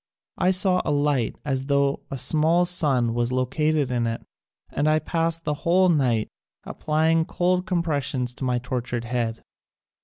I saw a light as tho a small sun was located in it and I past the whole night applying cold compressions to my tortured head.